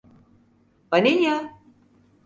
Vanilya…